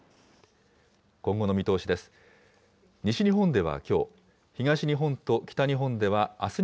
今後の見通しです。